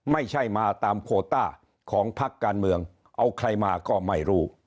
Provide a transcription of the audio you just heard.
ไม่ใช่มาตามโคต้าของพักการเมืองเอาใครมาก็ไม่รู้